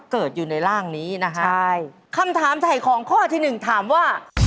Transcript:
กินของนี่ไม่น่าจะ